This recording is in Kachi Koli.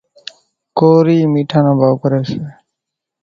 ڪورِي ميڻا نو ڀائو ڪريَ۔